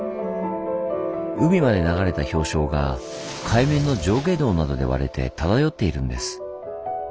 海まで流れた氷床が海面の上下動などで割れて漂っているんです。